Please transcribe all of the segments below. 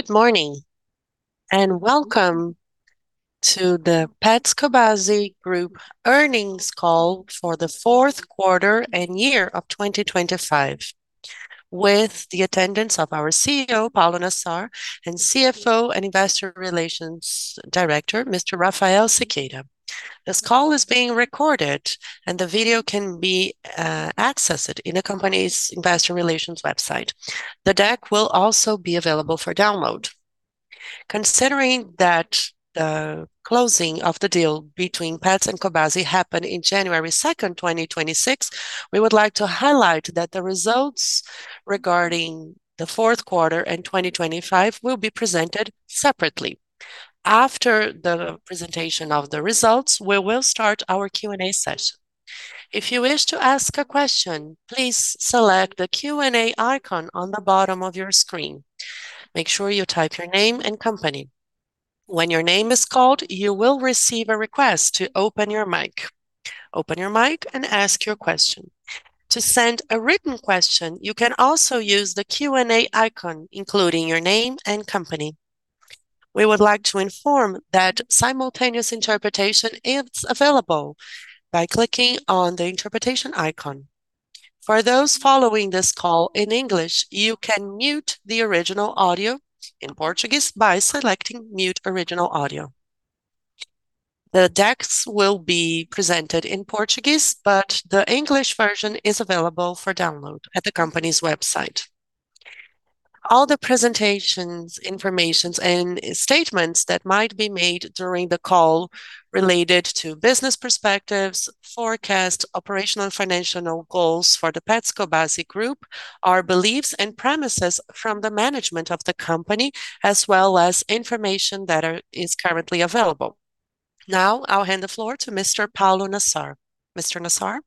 Good morning, and welcome to the Petz Cobasi Group earnings call for the fourth quarter and year of 2025 with the attendance of our CEO, Paulo Urbano Nassar, and CFO and Investor Relations Director, Mr. Rafael Siqueira Rodrigues. This call is being recorded, and the video can be accessed in the company's investor relations website. The deck will also be available for download. Considering that the closing of the deal between Petz and Cobasi happened in January 2nd, 2026, we would like to highlight that the results regarding the fourth quarter and 2025 will be presented separately. After the presentation of the results, we will start our Q&A session. If you wish to ask a question, please select the Q&A icon on the bottom of your screen. Make sure you type your name and company. When your name is called, you will receive a request to open your mic. Open your mic and ask your question. To send a written question, you can also use the Q&A icon, including your name and company. We would like to inform that simultaneous interpretation is available by clicking on the interpretation icon. For those following this call in English, you can mute the original audio in Portuguese by selecting Mute Original Audio. The decks will be presented in Portuguese, but the English version is available for download at the company's website. All the presentations, information, and statements that might be made during the call related to business perspectives, forecasts, operational and financial goals for the Petz, Cobasi Group are beliefs and premises from the management of the company, as well as information that is currently available. Now, I'll hand the floor to Mr. Paulo Nassar. Mr. Nassar?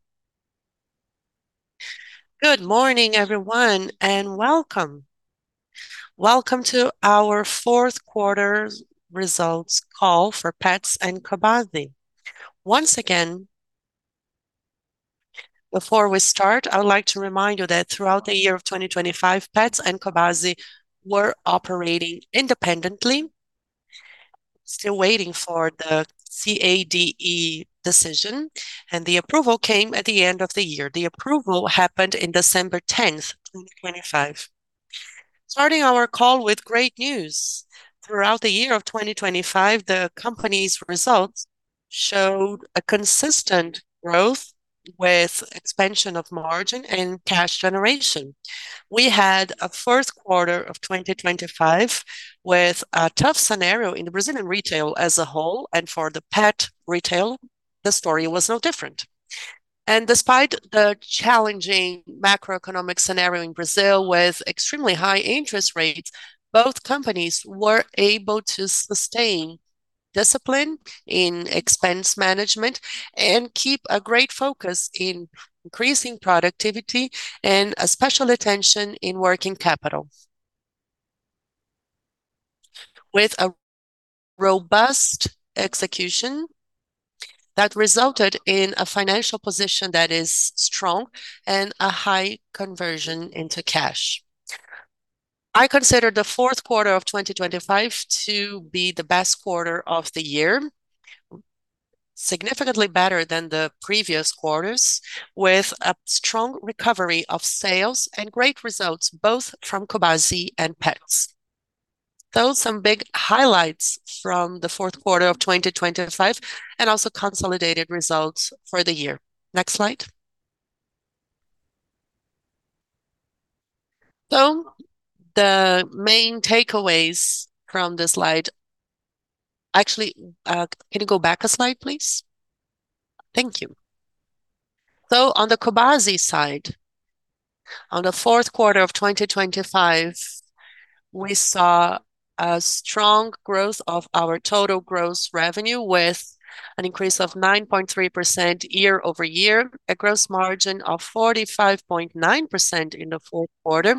Good morning, everyone, and welcome. Welcome to our fourth quarter results call for Petz and Cobasi. Once again, before we start, I would like to remind you that throughout the year of 2025, Petz and Cobasi were operating independently, still waiting for the CADE decision, and the approval came at the end of the year. The approval happened in December 10th, 2025. Starting our call with great news. Throughout the year of 2025, the company's results showed a consistent growth with expansion of margin and cash generation. We had a first quarter of 2025 with a tough scenario in the Brazilian retail as a whole, and for the pet retail, the story was no different. Despite the challenging macroeconomic scenario in Brazil with extremely high interest rates, both companies were able to sustain discipline in expense management and keep a great focus in increasing productivity and a special attention in working capital. With a robust execution that resulted in a financial position that is strong and a high conversion into cash. I consider the fourth quarter of 2025 to be the best quarter of the year, significantly better than the previous quarters, with a strong recovery of sales and great results both from Cobasi and Petz. Those are some big highlights from the fourth quarter of 2025, and also consolidated results for the year. Next slide. The main takeaways from this slide. Actually, can you go back a slide, please? Thank you. On the Cobasi side, on the fourth quarter of 2025, we saw a strong growth of our total gross revenue with an increase of 9.3% year-over-year, a gross margin of 45.9% in the fourth quarter,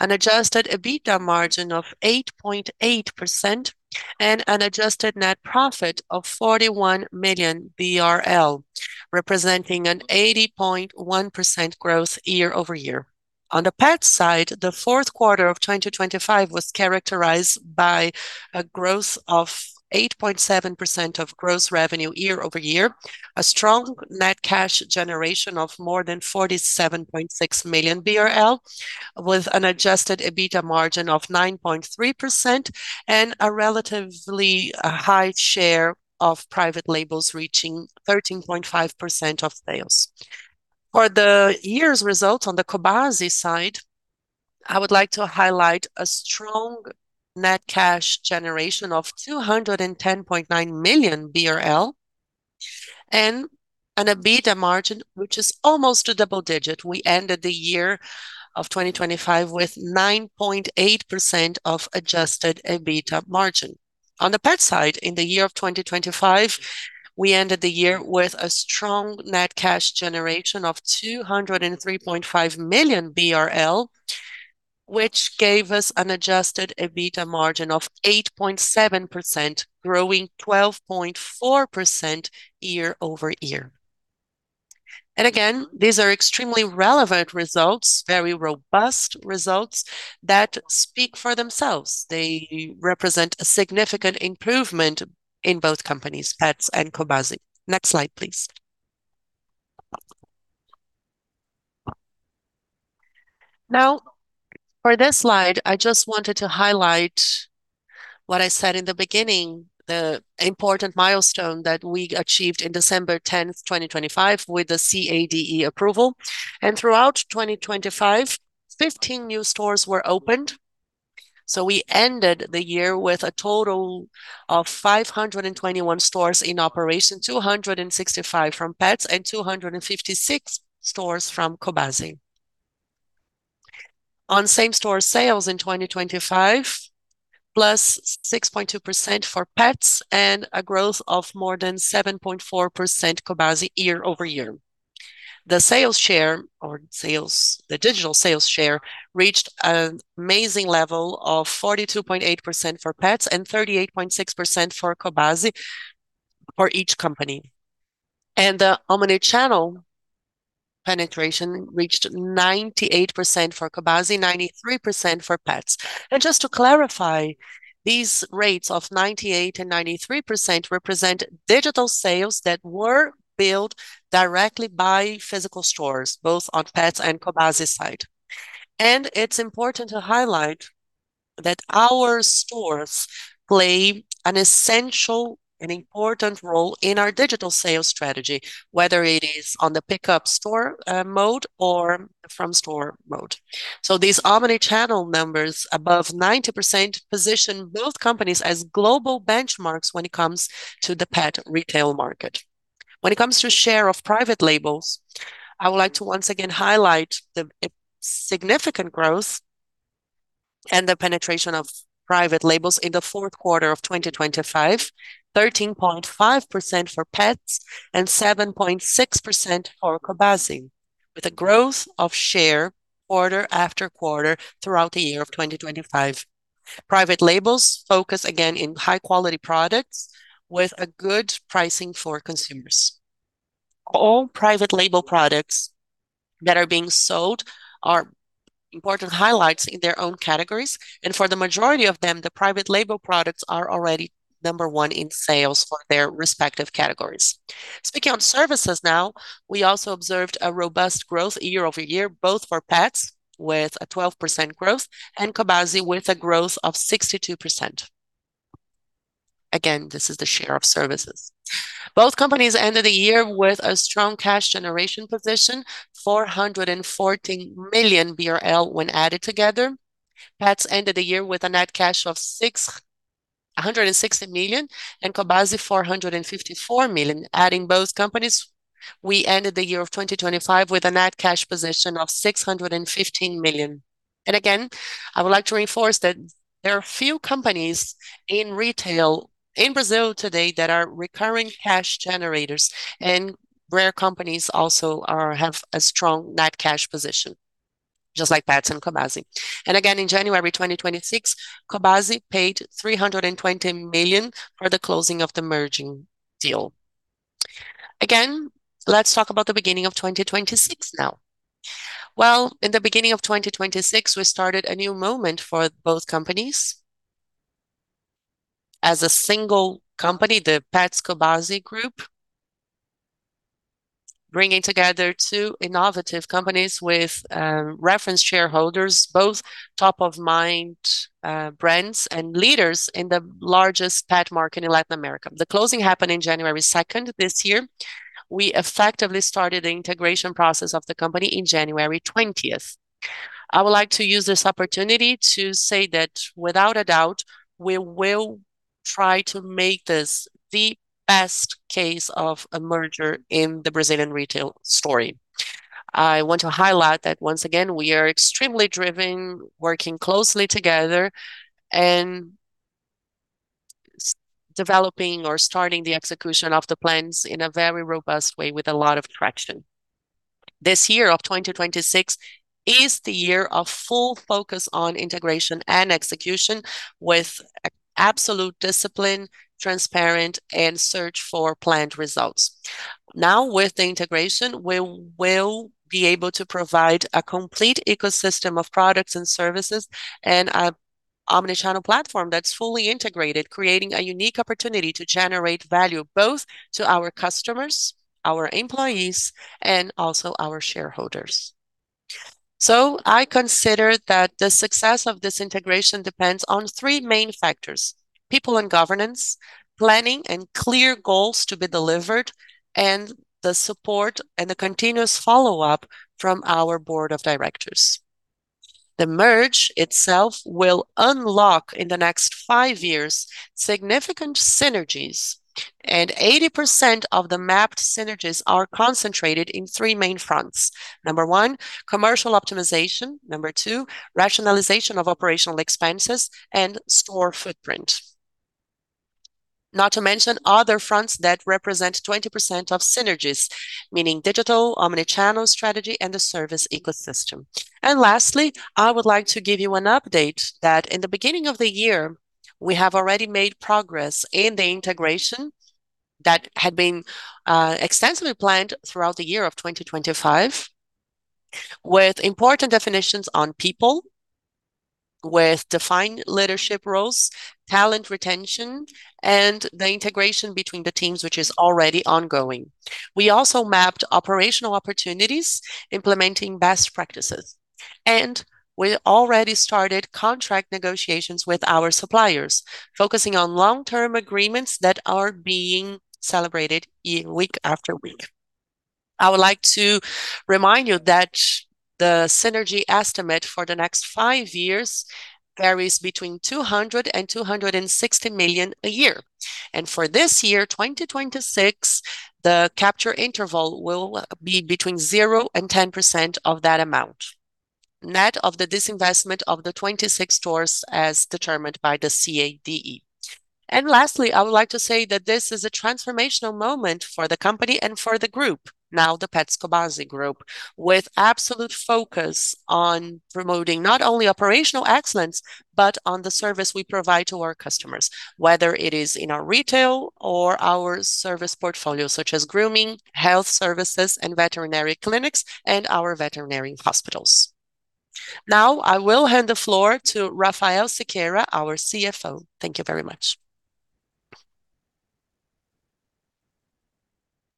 an adjusted EBITDA margin of 8.8%, and an adjusted net profit of 41 million BRL, representing an 80.1% growth year-over-year. On the Petz side, the fourth quarter of 2025 was characterized by a growth of 8.7% of gross revenue year-over-year, a strong net cash generation of more than 47.6 million BRL with an adjusted EBITDA margin of 9.3% and a relatively high share of private labels reaching 13.5% of sales. For the year's results on the Cobasi side, I would like to highlight a strong net cash generation of 210.9 million BRL and an EBITDA margin which is almost a double digit. We ended the year of 2025 with 9.8% adjusted EBITDA margin. On the Petz side, in the year of 2025, we ended the year with a strong net cash generation of 203.5 million BRL, which gave us an adjusted EBITDA margin of 8.7%, growing 12.4% year-over-year. Again, these are extremely relevant results, very robust results that speak for themselves. They represent a significant improvement in both companies, Petz and Cobasi. Next slide, please. Now, for this slide, I just wanted to highlight what I said in the beginning, the important milestone that we achieved in December 10th, 2025, with the CADE approval. Throughout 2025, 15 new stores were opened. We ended the year with a total of 521 stores in operation, 265 from Petz and 256 stores from Cobasi. On same-store sales in 2025, +6.2% for Petz and a growth of more than 7.4% for Cobasi year-over-year. The digital sales share reached an amazing level of 42.8% for Petz and 38.6% for Cobasi for each company. The omnichannel penetration reached 98% for Cobasi, 93% for Petz. Just to clarify, these rates of 98% and 93% represent digital sales that were built directly by physical stores, both on Petz's and Cobasi's side. It's important to highlight that our stores play an essential and important role in our digital sales strategy, whether it is on the pickup from store mode or ship from store mode. These omnichannel numbers above 90% position both companies as global benchmarks when it comes to the pet retail market. When it comes to share of private labels, I would like to once again highlight the significant growth and the penetration of private labels in the fourth quarter of 2025, 13.5% for Petz and 7.6% for Cobasi, with a growth of share quarter-after-quarter throughout the year 2025. Private labels focus again in high-quality products with a good pricing for consumers. All private label products that are being sold are important highlights in their own categories, and for the majority of them, the private label products are already number one in sales for their respective categories. Speaking on services now, we also observed a robust growth year-over-year, both for Petz with a 12% growth and Cobasi with a growth of 62%. Again, this is the share of services. Both companies ended the year with a strong cash generation position, 440 million BRL when added together. Petz ended the year with a net cash of 660 million and Cobasi, 454 million. Adding both companies, we ended the year of 2025 with a net cash position of 615 million. I would like to reinforce that there are few companies in retail in Brazil today that are recurring cash generators, and rare companies also have a strong net cash position, just like Petz and Cobasi. In January 2026, Cobasi paid 320 million for the closing of the merging deal. Again, let's talk about the beginning of 2026 now. Well, in the beginning of 2026, we started a new moment for both companies as a single company, the Petz Cobasi Group, bringing together two innovative companies with reference shareholders, both top of mind brands and leaders in the largest pet market in Latin America. The closing happened in January 2nd this year. We effectively started the integration process of the company in January 20th. I would like to use this opportunity to say that without a doubt, we will try to make this the best case of a merger in the Brazilian retail story. I want to highlight that once again, we are extremely driven, working closely together and developing or starting the execution of the plans in a very robust way with a lot of traction. This year of 2026 is the year of full focus on integration and execution with absolute discipline, transparent, and search for planned results. Now, with the integration, we will be able to provide a complete ecosystem of products and services and omnichannel platform that's fully integrated, creating a unique opportunity to generate value both to our customers, our employees, and also our shareholders. I consider that the success of this integration depends on three main factors, people and governance, planning and clear goals to be delivered, and the support and the continuous follow-up from our Board of Directors. The merger itself will unlock in the next five years significant synergies, and 80% of the mapped synergies are concentrated in three main fronts. Number one, commercial optimization. Number two, rationalization of operational expenses and store footprint. Not to mention other fronts that represent 20% of synergies, meaning digital, omnichannel strategy, and the service ecosystem. Lastly, I would like to give you an update that in the beginning of the year, we have already made progress in the integration that had been extensively planned throughout the year of 2025 with important definitions on people with defined leadership roles, talent retention, and the integration between the teams, which is already ongoing. We also mapped operational opportunities, implementing best practices, and we already started contract negotiations with our suppliers, focusing on long-term agreements that are being negotiated year after year. I would like to remind you that the synergy estimate for the next five years varies between 200 million-260 million a year. For this year, 2026, the capture interval will be between 0%-10% of that amount, net of the disinvestment of the 26 stores as determined by the CADE. Lastly, I would like to say that this is a transformational moment for the company and for the group, now the Petz, Cobasi group, with absolute focus on promoting not only operational excellence, but on the service we provide to our customers, whether it is in our retail or our service portfolio, such as grooming, health services, and veterinary clinics, and our veterinary hospitals. Now, I will hand the floor to Rafael Siqueira, our CFO. Thank you very much.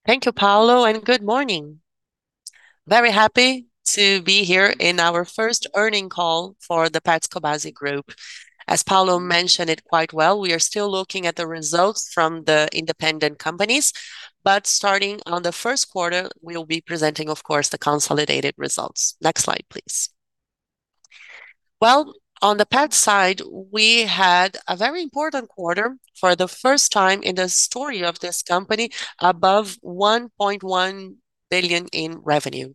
Thank you, Paulo, and good morning. Very happy to be here in our first earnings call for the Petz Cobasi group. As Paulo mentioned it quite well, we are still looking at the results from the independent companies. Starting on the first quarter, we will be presenting, of course, the consolidated results. Next slide, please. Well, on the Petz side, we had a very important quarter for the first time in the history of this company above 1.1 billion in revenue,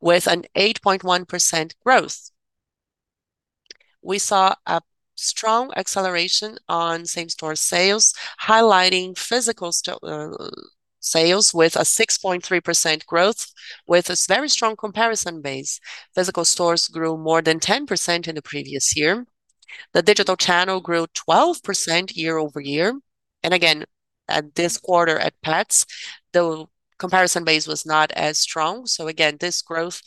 with an 8.1% growth. We saw a strong acceleration on same-store sales, highlighting physical sales with a 6.3% growth with this very strong comparison base. Physical stores grew more than 10% in the previous year. The digital channel grew 12% year-over-year. Again, in this quarter at Petz, the comparison base was not as strong. Again, this growth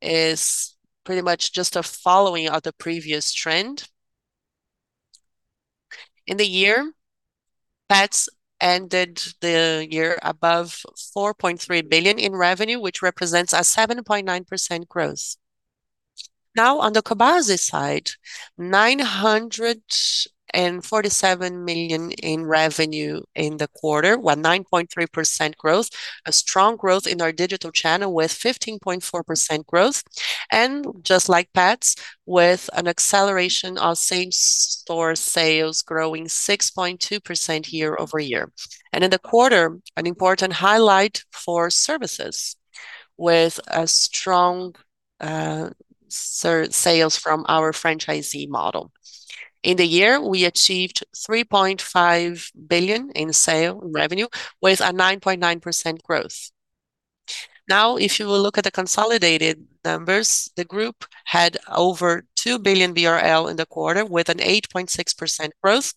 is pretty much just a following of the previous trend. In the year, Petz ended the year above 4.3 billion in revenue, which represents a 7.9% growth. Now, on the Cobasi side, 947 million in revenue in the quarter, with 9.3% growth. A strong growth in our digital channel with 15.4% growth. Just like Petz, with an acceleration of same-store sales growing 6.2% year-over-year. In the quarter, an important highlight for services, with a strong sales from our franchisee model. In the year, we achieved 3.5 billion in sales revenue, with a 9.9% growth. Now, if you will look at the consolidated numbers, the group had over 2 billion BRL in the quarter, with an 8.6% growth.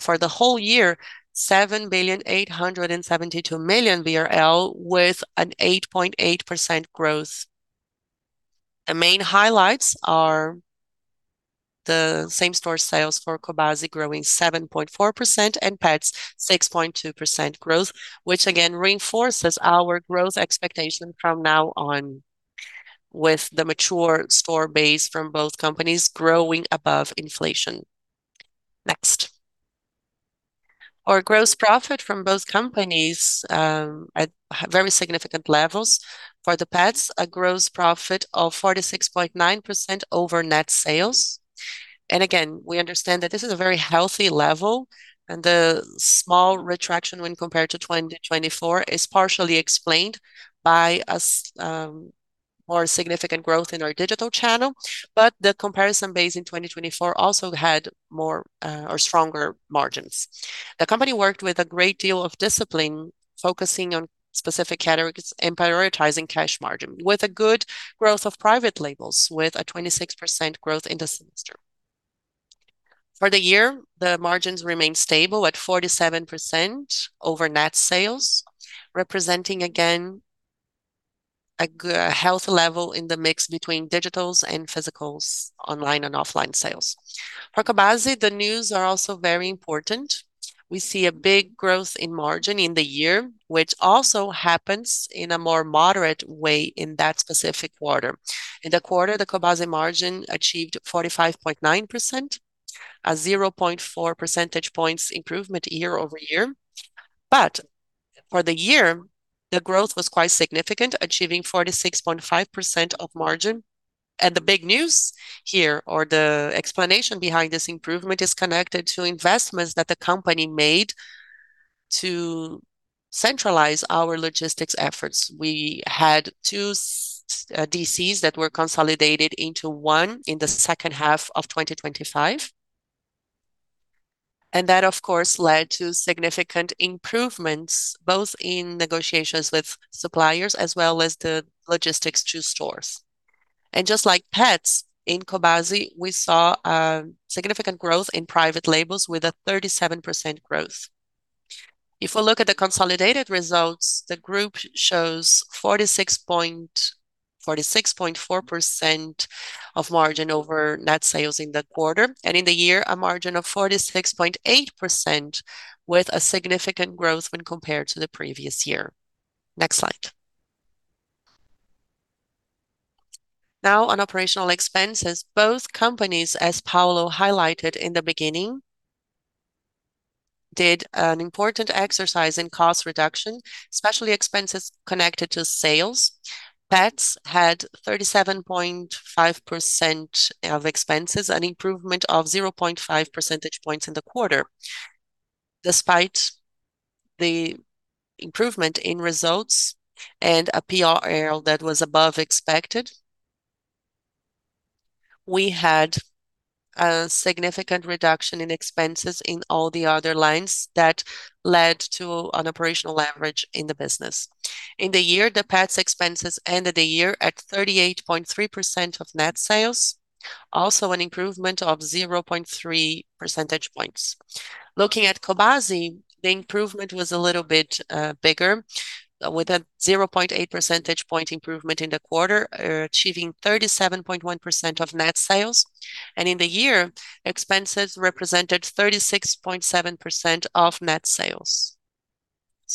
For the whole year, 7,872,000,000 BRL, with an 8.8% growth. The main highlights are the same-store sales for Cobasi growing 7.4% and Petz 6.2% growth, which again reinforces our growth expectation from now on with the mature store base from both companies growing above inflation. Next. Our gross profit from both companies at very significant levels. For the Petz, a gross profit of 46.9% over net sales. We understand that this is a very healthy level, and the small retraction when compared to 2024 is partially explained by a more significant growth in our digital channel. The comparison base in 2024 also had more or stronger margins. The company worked with a great deal of discipline, focusing on specific categories and prioritizing cash margin with a good growth of private labels with a 26% growth in the semester. For the year, the margins remain stable at 47% over net sales, representing again a healthy level in the mix between digitals and physicals, online and offline sales. For Cobasi, the news are also very important. We see a big growth in margin in the year, which also happens in a more moderate way in that specific quarter. In the quarter, the Cobasi margin achieved 45.9%, a 0.4% points improvement year-over-year. But for the year, the growth was quite significant, achieving 46.5% of margin. The big news here or the explanation behind this improvement is connected to investments that the company made to centralize our logistics efforts. We had two DCs that were consolidated into one in the second half of 2025. That, of course, led to significant improvements both in negotiations with suppliers as well as the logistics to stores. Just like Petz, in Cobasi, we saw significant growth in private labels with a 37% growth. If we look at the consolidated results, the group shows 46.4% of margin over net sales in that quarter. In the year, a margin of 46.8% with a significant growth when compared to the previous year. Next slide. Now on operational expenses. Both companies, as Paulo highlighted in the beginning, did an important exercise in cost reduction, especially expenses connected to sales. Petz had 37.5% of expenses, an improvement of 0.5% points in the quarter. Despite the improvement in results and a PLR that was above expected, we had a significant reduction in expenses in all the other lines that led to an operational leverage in the business. In the year, Petz expenses ended the year at 38.3% of net sales, also an improvement of 0.3% points. Looking at Cobasi, the improvement was a little bit bigger with a 0.8 percentage point improvement in the quarter, achieving 37.1% of net sales. In the year, expenses represented 36.7% of net sales.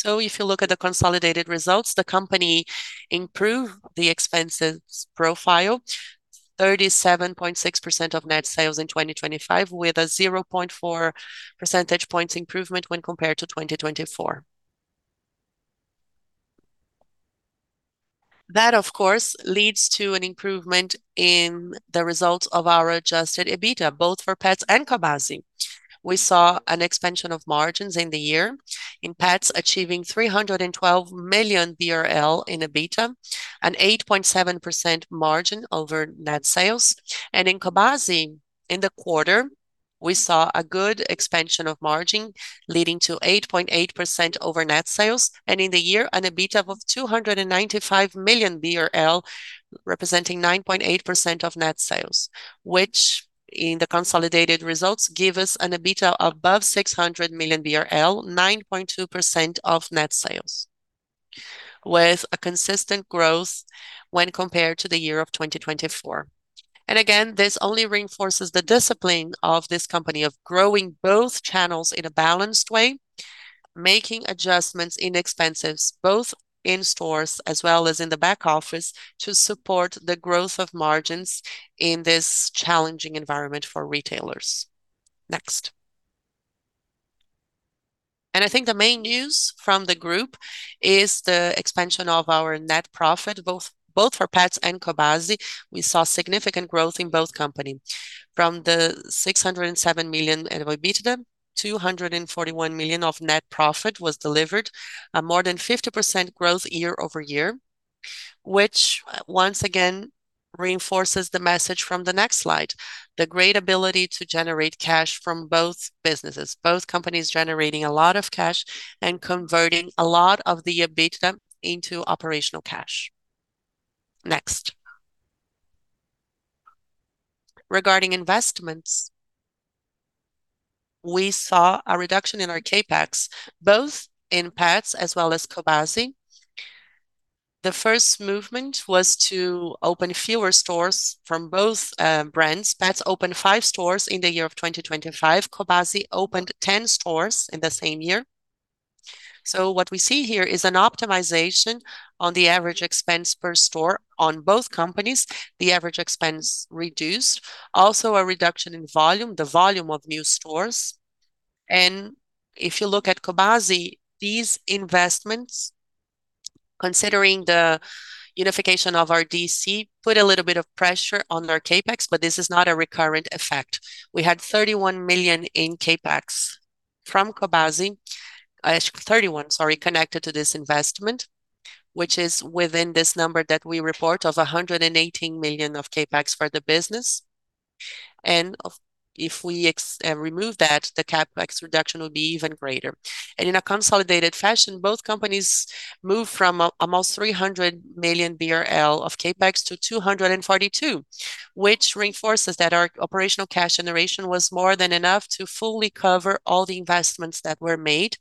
If you look at the consolidated results, the company improved the expenses profile, 37.6% of net sales in 2025, with a 0.4% points improvement when compared to 2024. That, of course, leads to an improvement in the results of our adjusted EBITDA, both for Petz and Cobasi. We saw an expansion of margins in the year, in Petz achieving 312 million BRL in EBITDA, an 8.7% margin over net sales. In Cobasi, in the quarter, we saw a good expansion of margin leading to 8.8% over net sales, and in the year, an EBITDA of 295 million BRL, representing 9.8% of net sales. Which in the consolidated results give us an EBITDA above 600 million BRL, 9.2% of net sales, with a consistent growth when compared to the year of 2024. Again, this only reinforces the discipline of this company of growing both channels in a balanced way, making adjustments in expenses, both in stores as well as in the back office, to support the growth of margins in this challenging environment for retailers. Next. I think the main news from the group is the expansion of our net profit, both for Petz and Cobasi. We saw significant growth in both companies. From the 607 million in EBITDA, 241 million of net profit was delivered, a more than 50% growth year-over-year. Which, once again, reinforces the message from the next slide, the great ability to generate cash from both businesses, both companies generating a lot of cash and converting a lot of the EBITDA into operational cash. Next. Regarding investments, we saw a reduction in our CapEx, both in Petz as well as Cobasi. The first movement was to open fewer stores from both brands. Petz opened five stores in the year of 2025. Cobasi opened 10 stores in the same year. What we see here is an optimization on the average expense per store on both companies. The average expense reduced. Also a reduction in volume, the volume of new stores. If you look at Cobasi, these investments, considering the unification of our DC, put a little bit of pressure on our CapEx, but this is not a recurrent effect. We had 31 million in CapEx from Cobasi connected to this investment, which is within this number that we report of 118 million of CapEx for the business. If we remove that, the CapEx reduction would be even greater. In a consolidated fashion, both companies moved from almost 300 million BRL of CapEx to 242 million, which reinforces that our operational cash generation was more than enough to fully cover all the investments that were made.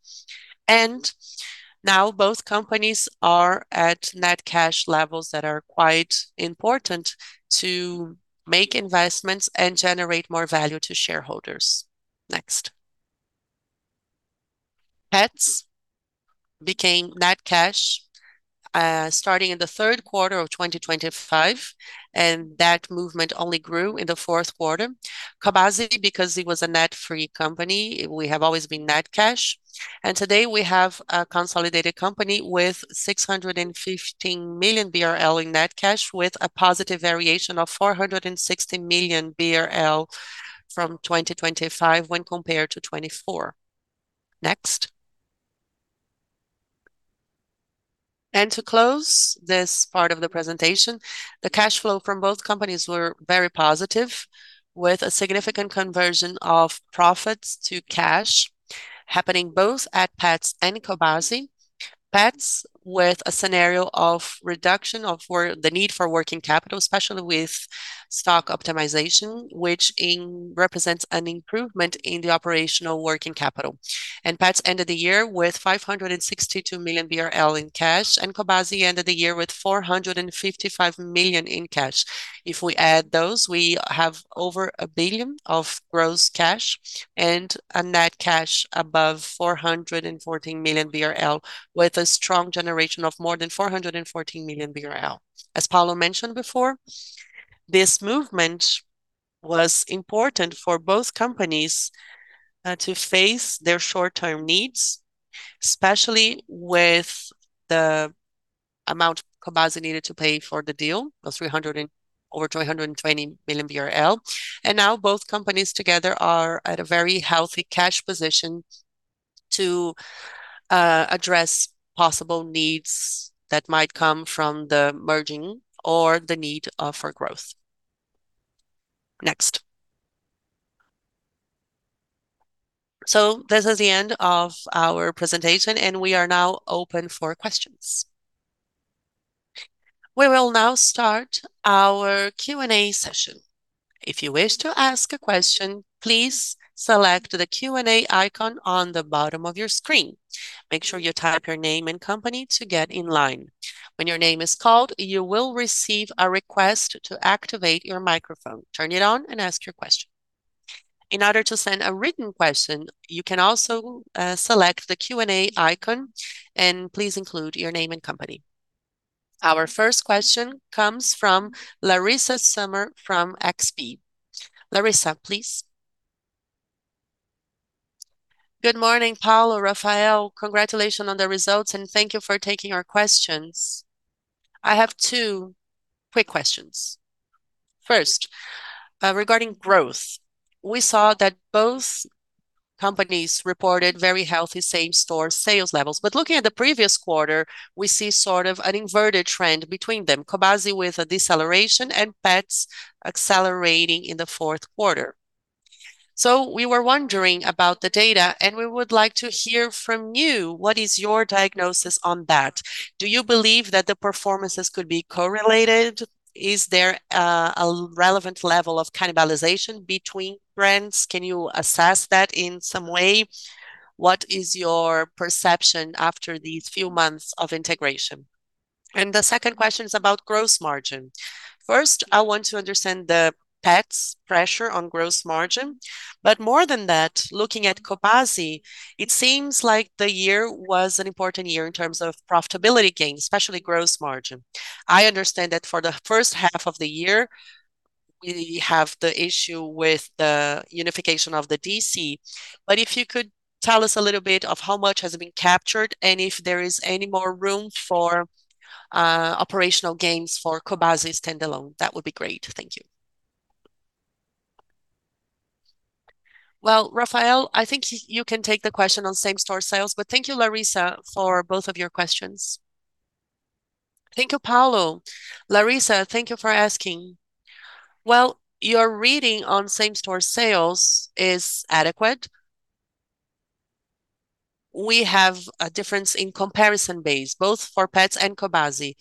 Now both companies are at net cash levels that are quite important to make investments and generate more value to shareholders. Next. Petz became net cash starting in the third quarter of 2025, and that movement only grew in the fourth quarter. Cobasi, because it was a debt-free company, we have always been net cash. Today, we have a consolidated company with 615 million BRL in net cash with a positive variation of 460 million BRL from 2025 when compared to 2024. Next. To close this part of the presentation, the cash flow from both companies were very positive, with a significant conversion of profits to cash happening both at Petz and Cobasi. Petz with a scenario of reduction of for the need for working capital, especially with stock optimization, which represents an improvement in the operational working capital. Petz ended the year with 562 million BRL in cash, and Cobasi ended the year with 455 million in cash. If we add those, we have over 1 billion of gross cash and a net cash above 414 million BRL with a strong generation of more than 414 million BRL. As Paulo mentioned before, this movement was important for both companies to face their short-term needs, especially with the amount Cobasi needed to pay for the deal, over 320 million BRL. Now both companies together are at a very healthy cash position to address possible needs that might come from the merger or the need for growth. Next. This is the end of our presentation, and we are now open for questions. We will now start our Q&A session. If you wish to ask a question, please select the Q&A icon on the bottom of your screen. Make sure you type your name and company to get in line. When your name is called, you will receive a request to activate your microphone. Turn it on and ask your question. In order to send a written question, you can also select the Q&A icon, and please include your name and company. Our first question comes from Laryssa Sumer from XP. Laryssa, please. Good morning, Paulo, Rafael. Congratulations on the results, and thank you for taking our questions. I have two quick questions. First, regarding growth. We saw that both companies reported very healthy same-store sales levels. Looking at the previous quarter, we see sort of an inverted trend between them, Cobasi with a deceleration and Petz accelerating in the fourth quarter. We were wondering about the data, and we would like to hear from you what is your diagnosis on that. Do you believe that the performances could be correlated? Is there a relevant level of cannibalization between brands? Can you assess that in some way? What is your perception after these few months of integration? The second question's about gross margin. First, I want to understand the Petz pressure on gross margin. More than that, looking at Cobasi, it seems like the year was an important year in terms of profitability gains, especially gross margin. I understand that for the first half of the year we have the issue with the unification of the DC, but if you could tell us a little bit of how much has been captured and if there is any more room for operational gains for Cobasi standalone. That would be great. Thank you. Well, Rafael, I think you can take the question on same-store sales, but thank you, Laryssa, for both of your questions. Thank you, Paulo. Larissa, thank you for asking. Well, your reading on same-store sales is adequate. We have a difference in comparison base, both for Petz and Cobasi.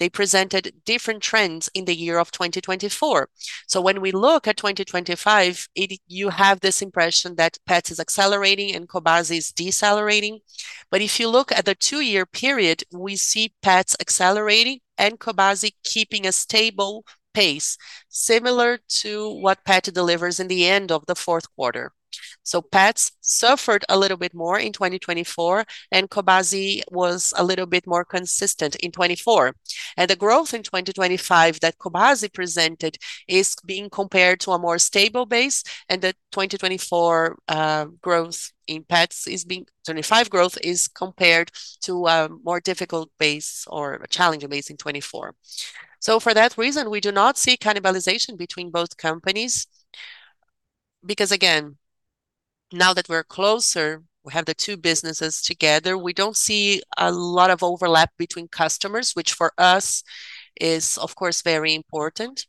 They presented different trends in the year of 2024. When we look at 2025, it you have this impression that Petz is accelerating and Cobasi is decelerating. If you look at the two-year period, we see Petz accelerating and Cobasi keeping a stable pace, similar to what Petz delivers in the end of the fourth quarter. Petz suffered a little bit more in 2024, and Cobasi was a little bit more consistent in 2024. The growth in 2025 that Cobasi presented is being compared to a more stable base, and 2025 growth is compared to a more difficult base or a challenging base in 2024. For that reason, we do not see cannibalization between both companies because, again, now that we're closer, we have the two businesses together, we don't see a lot of overlap between customers, which for us is of course very important.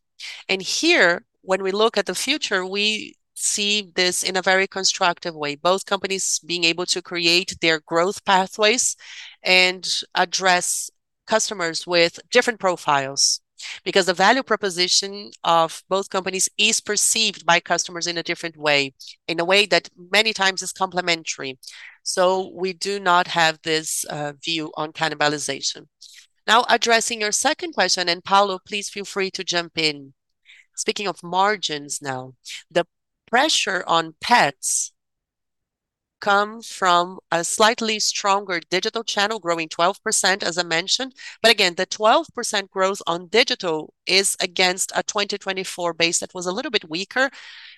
Here, when we look at the future, we see this in a very constructive way, both companies being able to create their growth pathways and address customers with different profiles. Because the value proposition of both companies is perceived by customers in a different way, in a way that many times is complementary. We do not have this view on cannibalization. Now addressing your second question, and Paulo, please feel free to jump in. Speaking of margins now, the pressure on Petz come from a slightly stronger digital channel growing 12%, as I mentioned. Again, the 12% growth on digital is against a 2024 base that was a little bit weaker.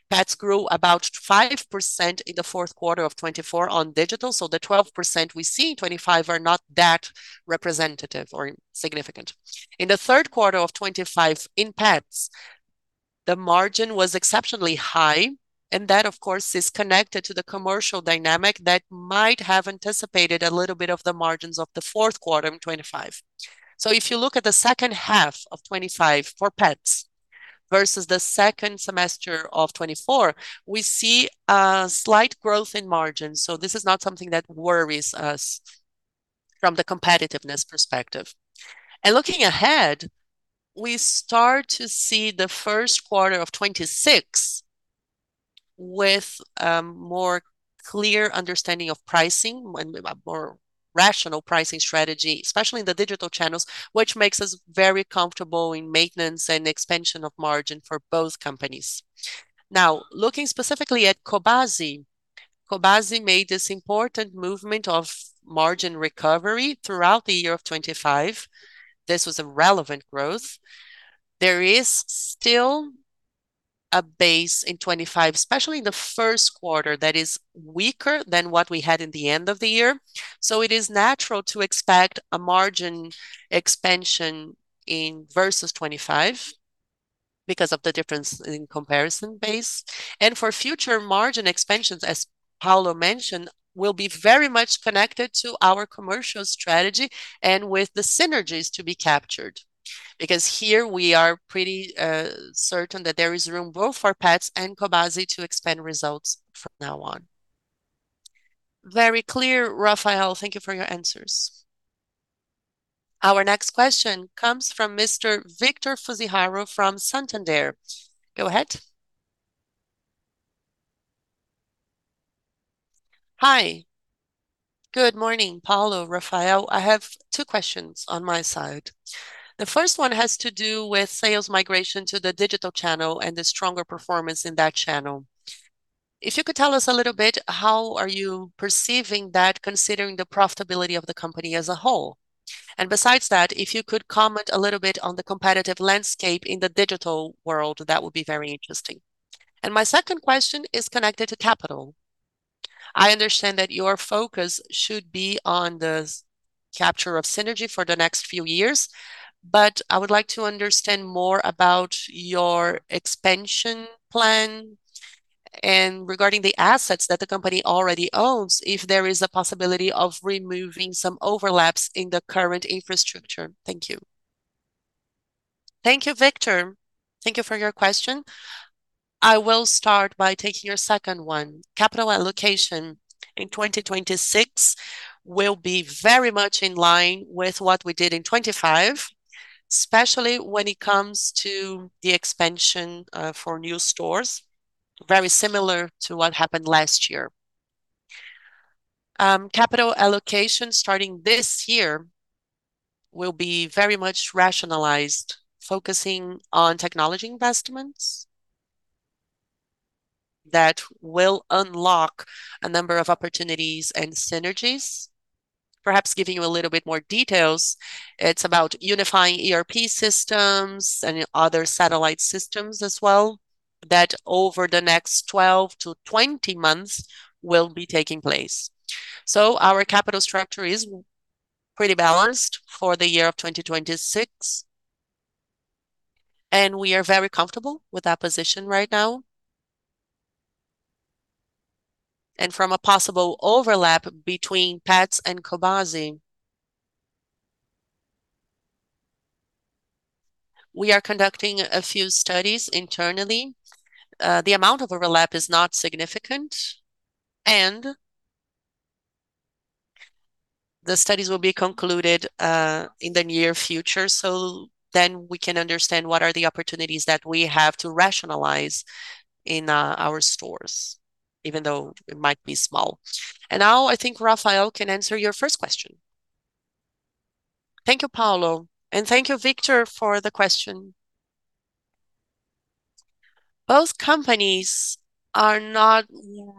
Petz grew about 5% in the fourth quarter of 2024 on digital. The 12% we see in 2025 are not that representative or significant. In the third quarter of 2025 in Petz, the margin was exceptionally high, and that of course is connected to the commercial dynamic that might have anticipated a little bit of the margins of the fourth quarter in 2025. If you look at the second half of 2025 for Petz versus the second semester of 2024, we see a slight growth in margins. This is not something that worries us. From the competitiveness perspective. Looking ahead, we start to see the first quarter of 2026 with a more clear understanding of pricing when we have a more rational pricing strategy, especially in the digital channels, which makes us very comfortable in maintenance and expansion of margin for both companies. Now, looking specifically at Cobasi made this important movement of margin recovery throughout the year of 2025. This was a relevant growth. There is still a base in 2025, especially in the first quarter, that is weaker than what we had in the end of the year. It is natural to expect a margin expansion in, versus 2025 because of the difference in comparison base. For future margin expansions, as Paulo mentioned, will be very much connected to our commercial strategy and with the synergies to be captured. Here we are pretty certain that there is room both for Petz and Cobasi to expand results from now on. Very clear, Rafael. Thank you for your answers. Our next question comes from Mr. Victor Fujihara from Santander. Go ahead. Hi. Good morning, Paulo, Rafael. I have two questions on my side. The first one has to do with sales migration to the digital channel and the stronger performance in that channel. If you could tell us a little bit, how are you perceiving that considering the profitability of the company as a whole? Besides that, if you could comment a little bit on the competitive landscape in the digital world, that would be very interesting. My second question is connected to capital. I understand that your focus should be on the capture of synergy for the next few years, but I would like to understand more about your expansion plan and regarding the assets that the company already owns, if there is a possibility of removing some overlaps in the current infrastructure. Thank you. Thank you, Victor. Thank you for your question. I will start by taking your second one. Capital allocation in 2026 will be very much in line with what we did in 2025, especially when it comes to the expansion for new stores, very similar to what happened last year. Capital allocation starting this year will be very much rationalized focusing on technology investments that will unlock a number of opportunities and synergies. Perhaps giving you a little bit more details, it's about unifying ERP systems and other satellite systems as well that over the next 12-20 months will be taking place. Our capital structure is pretty balanced for the year of 2026, and we are very comfortable with that position right now. From a possible overlap between Petz and Cobasi, we are conducting a few studies internally. The amount of overlap is not significant, and the studies will be concluded in the near future, so then we can understand what are the opportunities that we have to rationalize in our stores, even though it might be small. Now I think Rafael can answer your first question. Thank you, Paulo. Thank you, Victor, for the question. Both companies are not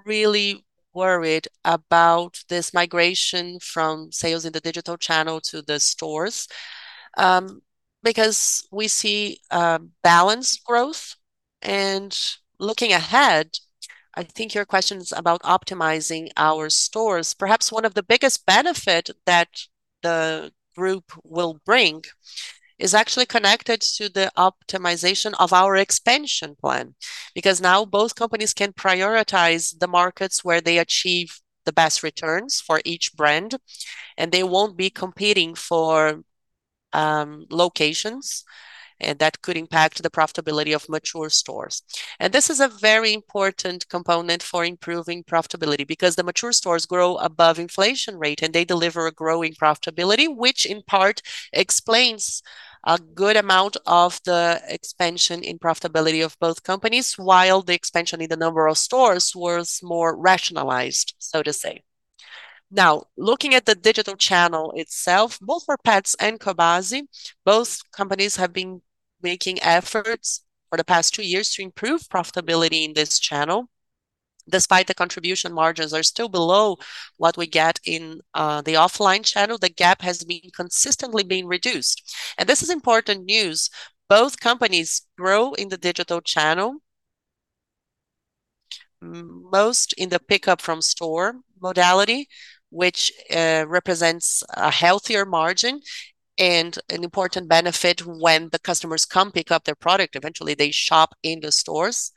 really worried about this migration from sales in the digital channel to the stores, because we see balanced growth. Looking ahead, I think your question is about optimizing our stores. Perhaps one of the biggest benefit that the group will bring is actually connected to the optimization of our expansion plan because now both companies can prioritize the markets where they achieve the best returns for each brand, and they won't be competing for locations, and that could impact the profitability of mature stores. This is a very important component for improving profitability because the mature stores grow above inflation rate, and they deliver a growing profitability, which in part explains a good amount of the expansion in profitability of both companies while the expansion in the number of stores was more rationalized, so to say. Now, looking at the digital channel itself, both for Petz and Cobasi, both companies have been making efforts for the past two years to improve profitability in this channel. Despite the contribution margins are still below what we get in the offline channel, the gap has consistently been reduced. This is important news. Both companies grow in the digital channel, most in the pickup from store modality, which represents a healthier margin and an important benefit when the customers come pick up their product. Eventually, they shop in the stores,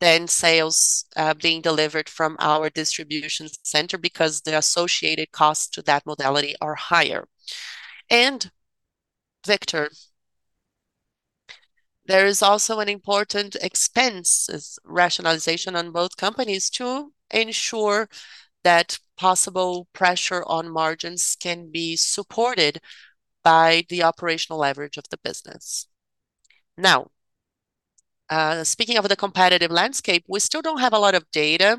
then sales being delivered from our distribution center because the associated costs to that modality are higher. Victor, there is also an important expenses rationalization on both companies to ensure that possible pressure on margins can be supported by the operational leverage of the business. Now, speaking of the competitive landscape, we still don't have a lot of data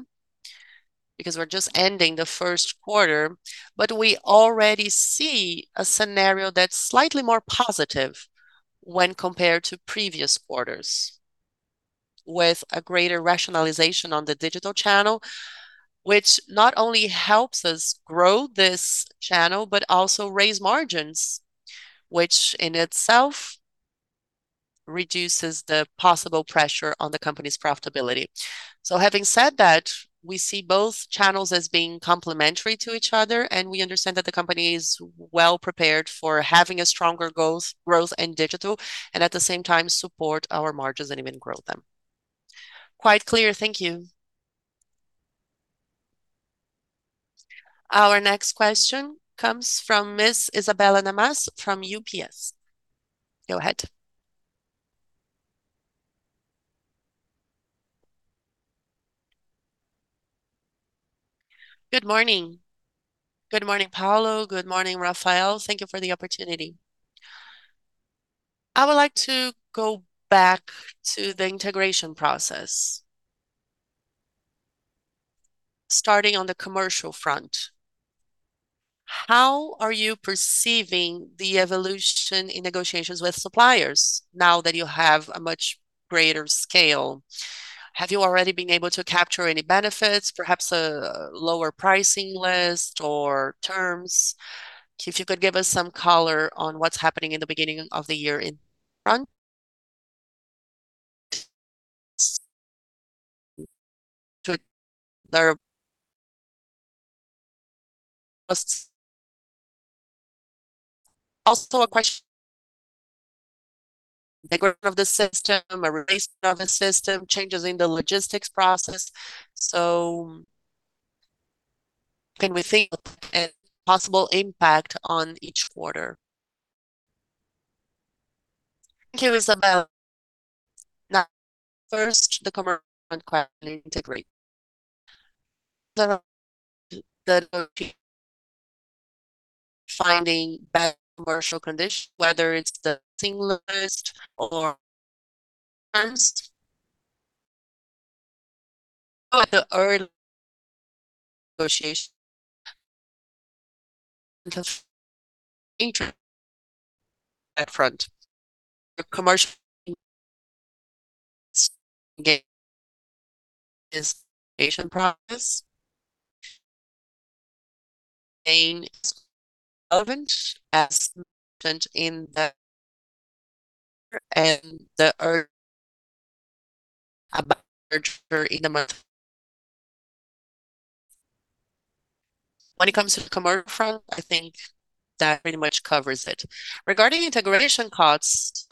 because we're just ending the first quarter, but we already see a scenario that's slightly more positive when compared to previous quarters with a greater rationalization on the digital channel, which not only helps us grow this channel, but also raise margins, which in itself reduces the possible pressure on the company's profitability. Having said that, we see both channels as being complementary to each other, and we understand that the company is well prepared for having a stronger growth in digital, and at the same time support our margins and even grow them. Quite clear. Thank you. Our next question comes from Miss Isabella Lamas from UBS. Go ahead. Good morning. Good morning, Paulo. Good morning, Rafael. Thank you for the opportunity. I would like to go back to the integration process. Starting on the commercial front, how are you perceiving the evolution in negotiations with suppliers now that you have a much greater scale? Have you already been able to capture any benefits, perhaps a lower pricing list or terms? If you could give us some color on what's happening in the beginning of the year up front. There was also a question of the system, a release of a system, changes in the logistics process. Can we think of a possible impact on each quarter? Thank you, Isabella. Now, first, the commercial integration. We're finding better commercial conditions, whether it's the pricing list or terms or the early negotiations up front. The commercial integration is the integration process. Mainly relevant as mentioned in the earnings about the merger in the month. When it comes to the commercial front, I think that pretty much covers it. Regarding integration costs,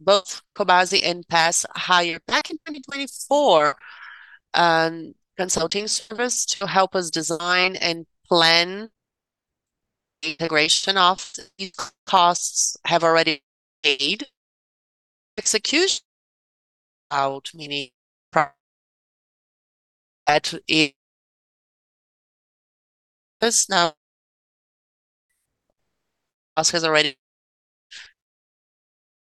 both Cobasi and Petz hired back in 2024 consulting services to help us design and plan the integration. These costs have already been paid. Execution on many fronts is now. We have already.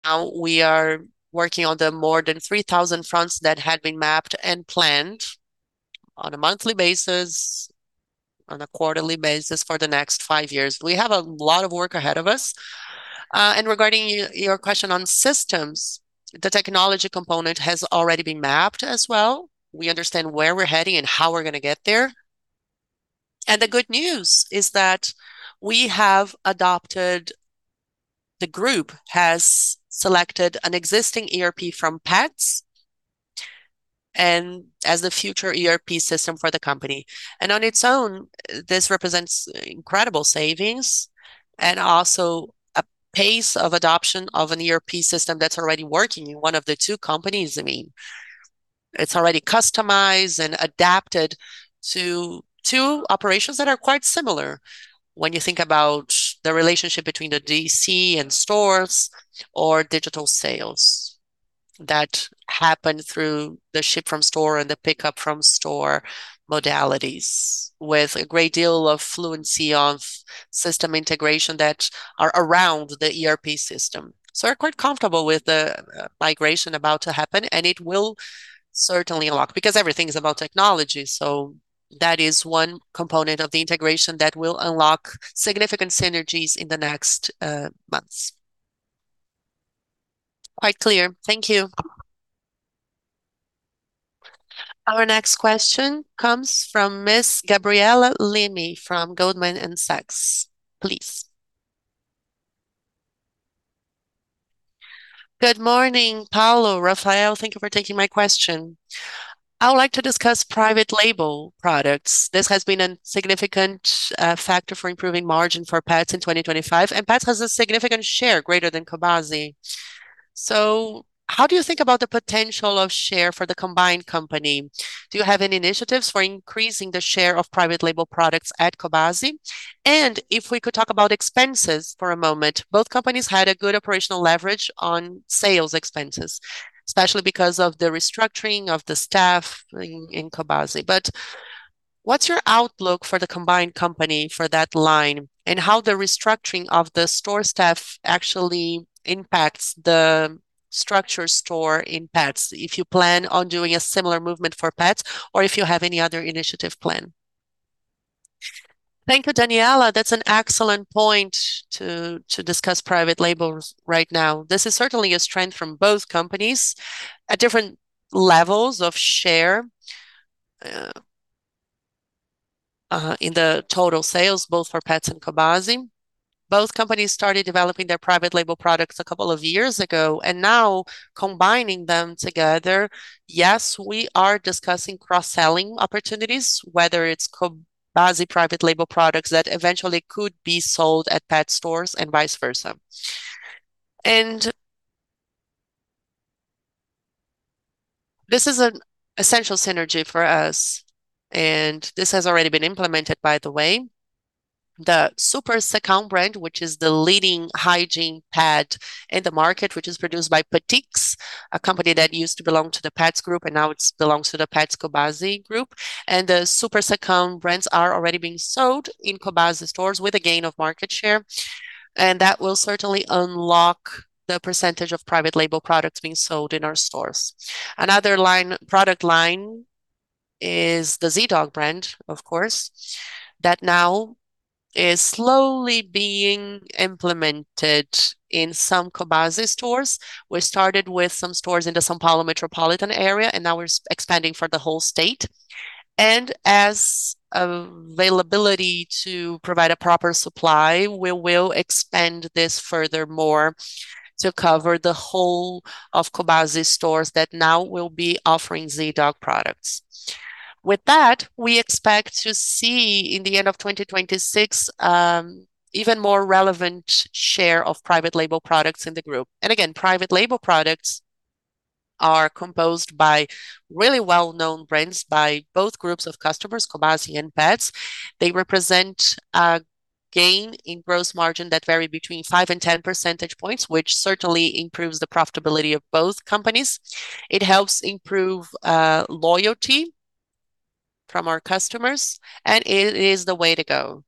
Now we are working on the more than 3,000 fronts that had been mapped and planned on a monthly basis, on a quarterly basis for the next five years. We have a lot of work ahead of us. Regarding your question on systems, the technology component has already been mapped as well. We understand where we're heading and how we're gonna get there. The good news is that we have adopted. The group has selected an existing ERP from Petz as the future ERP system for the company. On its own, this represents incredible savings and also a pace of adoption of an ERP system that's already working in one of the two companies. I mean, it's already customized and adapted to two operations that are quite similar when you think about the relationship between the DC and stores or digital sales that happen through the ship from store and the pickup from store modalities with a great deal of fluency of system integration that are around the ERP system. We're quite comfortable with the migration about to happen, and it will certainly unlock because everything is about technology. That is one component of the integration that will unlock significant synergies in the next months. Quite clear. Thank you. Our next question comes from Ms. Gabriela Borges from Goldman Sachs. Please. Good morning, Paulo, Rafael. Thank you for taking my question. I would like to discuss private label products. This has been a significant factor for improving margin for Petz in 2025, and Petz has a significant share greater than Cobasi. How do you think about the potential of share for the combined company? Do you have any initiatives for increasing the share of private label products at Cobasi? If we could talk about expenses for a moment. Both companies had a good operational leverage on sales expenses, especially because of the restructuring of the staff in Cobasi. What's your outlook for the combined company for that line, and how the restructuring of the store staff actually impacts the store structure in Petz, if you plan on doing a similar movement for Petz or if you have any other initiative plan? Thank you, Gabriela. That's an excellent point to discuss private labels right now. This is certainly a strength from both companies at different levels of share, in the total sales, both for Petz and Cobasi. Both companies started developing their private label products a couple of years ago, and now combining them together, yes, we are discussing cross-selling opportunities, whether it's Cobasi private label products that eventually could be sold at Petz stores and vice versa. This is an essential synergy for us, and this has already been implemented by the way. The SuperSecão brand, which is the leading hygiene pad in the market, which is produced by Petix, a company that used to belong to the Petz group and now belongs to the Petz Cobasi group. The SuperSecão brands are already being sold in Cobasi stores with a gain of market share, and that will certainly unlock the percentage of private label products being sold in our stores. Another line, product line is the Zee.Dog brand, of course, that now is slowly being implemented in some Cobasi stores. We started with some stores in the São Paulo Metropolitan Area, and now we're expanding for the whole state. As availability to provide a proper supply, we will expand this furthermore to cover the whole of Cobasi stores that now will be offering Zee.Dog products. With that, we expect to see in the end of 2026, even more relevant share of private label products in the group. Again, private label products are composed by really well-known brands by both groups of customers, Cobasi and Petz. They represent a gain in gross margin that vary between 5% and 10% points, which certainly improves the profitability of both companies. It helps improve loyalty from our customers, and it is the way to go.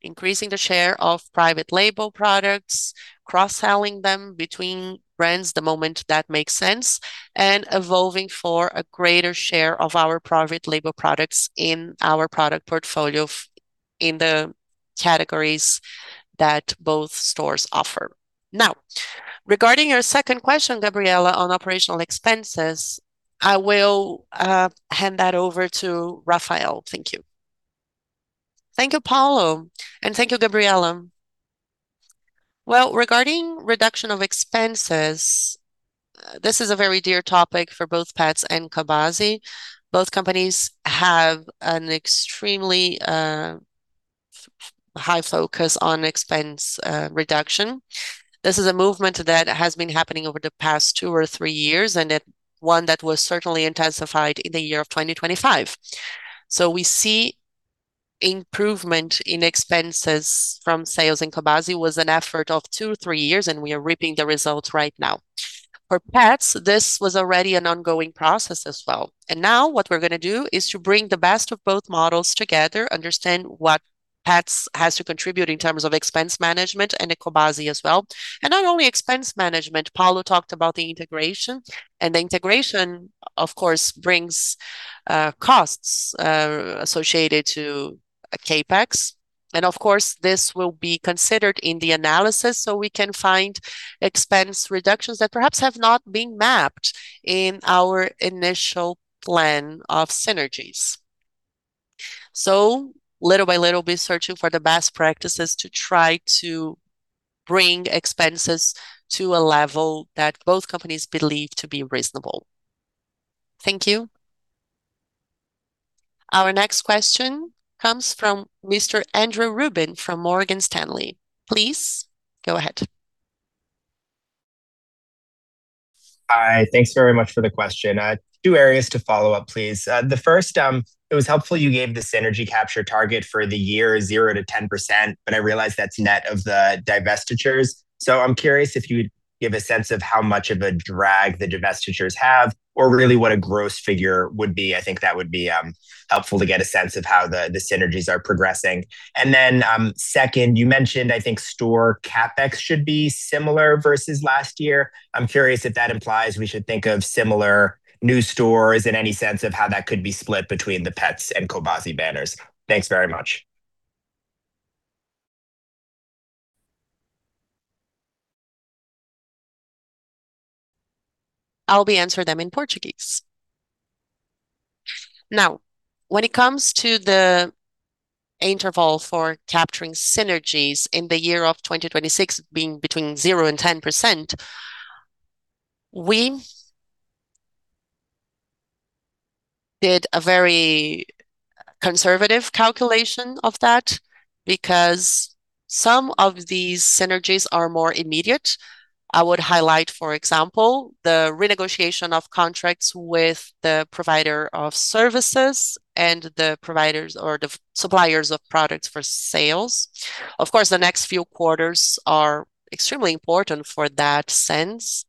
Increasing the share of private label products, cross-selling them between brands the moment that makes sense, and evolving for a greater share of our private label products in our product portfolio in the categories that both stores offer. Now, regarding your second question, Gabriela, on operational expenses, I will hand that over to Rafael. Thank you. Thank you, Paulo, and thank you, Gabriela. Well, regarding reduction of expenses, this is a very dear topic for both Petz and Cobasi. Both companies have an extremely high focus on expense reduction. This is a movement that has been happening over the past two or three years, and it one that was certainly intensified in the year of 2025. We see improvement in expenses from sales in Cobasi was an effort of two, three years, and we are reaping the results right now. For Petz, this was already an ongoing process as well. Now what we're gonna do is to bring the best of both models together, understand what Petz has to contribute in terms of expense management and at Cobasi as well. Not only expense management, Paulo talked about the integration, and the integration, of course, brings costs associated to a CapEx. Of course, this will be considered in the analysis, so we can find expense reductions that perhaps have not been mapped in our initial plan of synergies. Little-by-little, we're searching for the best practices to try to bring expenses to a level that both companies believe to be reasonable. Thank you. Our next question comes from Mr. Andrew Ruben from Morgan Stanley. Please go ahead. Hi. Thanks very much for the question. Two areas to follow up, please. The first, it was helpful you gave the synergy capture target for the year 0%-10%, but I realize that's net of the divestitures. I'm curious if you give a sense of how much of a drag the divestitures have or really what a gross figure would be. I think that would be helpful to get a sense of how the synergies are progressing. Second, you mentioned, I think, store CapEx should be similar versus last year. I'm curious if that implies we should think of similar new stores and any sense of how that could be split between the Petz and Cobasi banners. Thanks very much. I'll be answering them in Portuguese. Now, when it comes to the interval for capturing synergies in the year of 2026 being between 0% and 10%, we did a very conservative calculation of that because some of these synergies are more immediate. I would highlight, for example, the renegotiation of contracts with the provider of services and the providers or the suppliers of products for sales. Of course, the next few quarters are extremely important for that sense.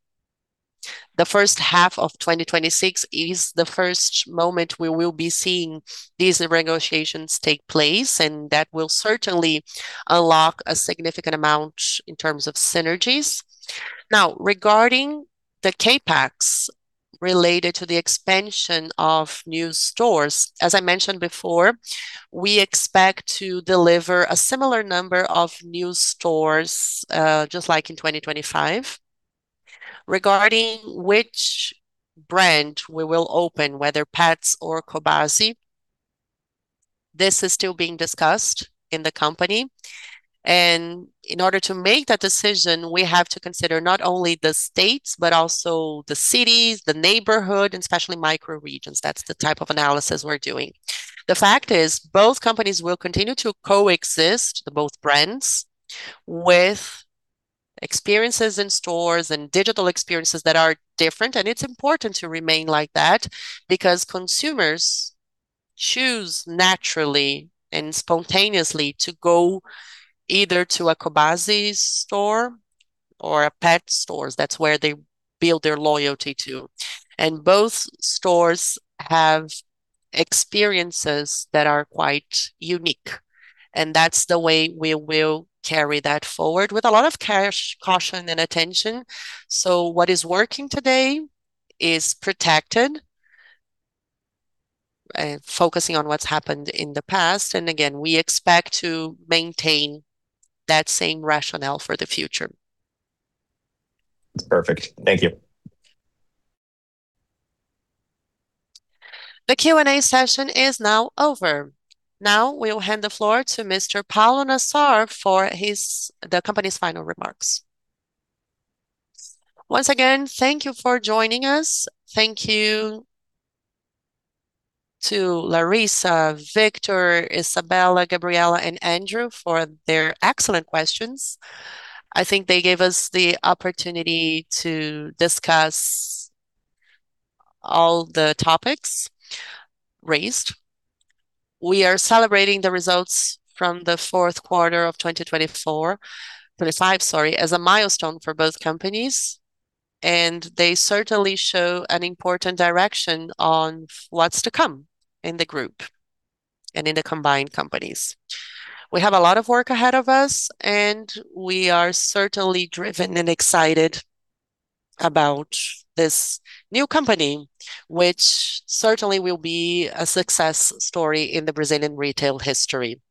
The first half of 2026 is the first moment we will be seeing these negotiations take place, and that will certainly unlock a significant amount in terms of synergies. Now, regarding the CapEx related to the expansion of new stores, as I mentioned before, we expect to deliver a similar number of new stores, just like in 2025. Regarding which brand we will open, whether Petz or Cobasi, this is still being discussed in the company. In order to make that decision, we have to consider not only the states, but also the cities, the neighborhood, and especially micro-regions. That's the type of analysis we're doing. The fact is, both companies will continue to coexist, the both brands, with experiences in stores and digital experiences that are different, and it's important to remain like that because consumers choose naturally and spontaneously to go either to a Cobasi store or a Petz stores. That's where they build their loyalty to. Both stores have experiences that are quite unique, and that's the way we will carry that forward with a lot of care, caution, and attention. What is working today is protected, focusing on what's happened in the past. Again, we expect to maintain that same rationale for the future. Perfect. Thank you. The Q&A session is now over. Now we'll hand the floor to Mr. Paulo Nassar for the company's final remarks. Once again, thank you for joining us. Thank you to Laryssa, Victor, Isabella, Gabriela, and Andrew for their excellent questions. I think they gave us the opportunity to discuss all the topics raised. We are celebrating the results from the fourth quarter of 2025, sorry, as a milestone for both companies, and they certainly show an important direction on what's to come in the group and in the combined companies. We have a lot of work ahead of us, and we are certainly driven and excited about this new company, which certainly will be a success story in the Brazilian retail history.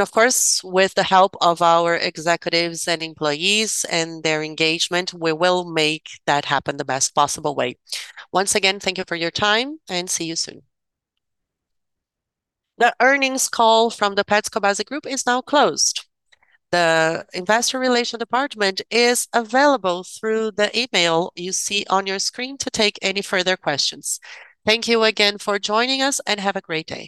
Of course, with the help of our executives and employees and their engagement, we will make that happen the best possible way. Once again, thank you for your time and see you soon. The earnings call from the Petz Cobasi Group is now closed. The Investor Relations Department is available through the email you see on your screen to take any further questions. Thank you again for joining us, and have a great day.